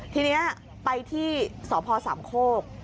ทีนี้ไปที่สพสามโคก